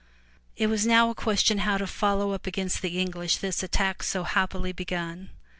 It was now a question how to follow up against the English this attack so happily begun.